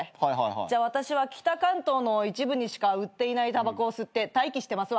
じゃあ私は北関東の一部にしか売っていないたばこを吸って待機してますわ。